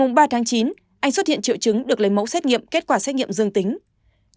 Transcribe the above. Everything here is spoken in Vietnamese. ngày ba tháng chín anh xuất hiện triệu chứng được lấy mẫu xét nghiệm kết quả xét nghiệm dương tính